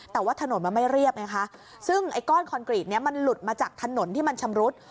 แต่ว่าถนนมันไม่เรียบไงคะซึ่งไอ้ก้อนคอนกรีตนี้มันหลุดมาจากถนนที่มันชำรุด